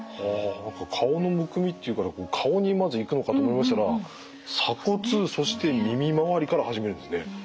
顔のむくみっていうから顔にまずいくのかと思いましたら鎖骨そして耳周りから始めるんですね。